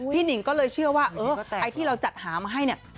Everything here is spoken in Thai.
หนิงก็เลยเชื่อว่าเออไอ้ที่เราจัดหามาให้เนี่ย